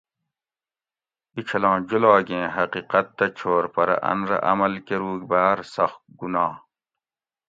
اینچھلاں جولاگیں حقیقت تہ چھور پرہ ان رہ عمل کۤروگ باۤر سخت گناہ